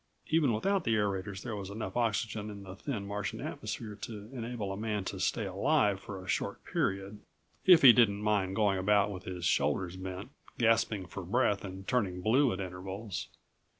Even without the aerators there was enough oxygen in the thin Martian atmosphere to enable a man to stay alive for a short period, if he didn't mind going about with his shoulders bent, gasping for breath and turning blue at intervals.